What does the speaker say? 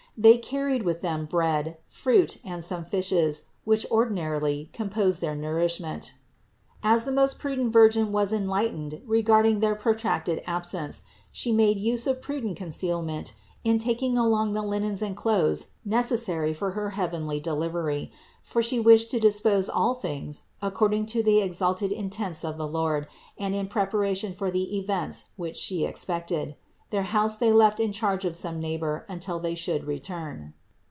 They carried with them bread, fruit and some fishes, which ordinarily composed their nourishment. As the most prudent Virgin was enlightened regarding their pro tracted absence, She made use of prudent concealment in taking along the linens and clothes necessary for her heavenly delivery, for She wished to dispose all things according to the exalted intents of the Lord and in prepa ration for the events which She expected. Their house THE INCARNATION 379 they left in charge of some neighbor until they should return.